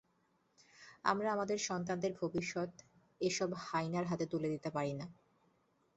আমরা আমাদের সন্তানদের ভবিষ্যৎ এসব হায়েনার হাতে তুলে দিতে পারি না।